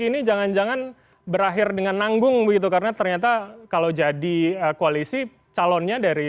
ini jangan jangan berakhir dengan nanggung begitu karena ternyata kalau jadi koalisi calonnya dari